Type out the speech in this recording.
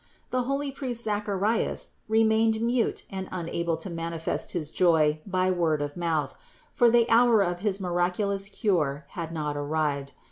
The holy priest Zacharias remained mute and unable to manifest his joy by word of mouth ; for the hour of his miraculous cure had not arrived.